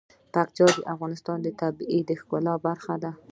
پکتیا د افغانستان د طبیعت د ښکلا برخه ده.